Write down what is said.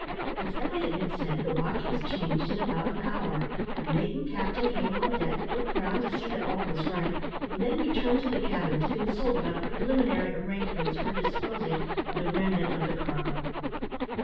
As Elliot had said, the watch was changed in about an hour. The mate and captain came on deck, looked round to see that all was right, and then returned to the cabin, to consult about the preliminary arrangements for disposing of the remnant of the cargo.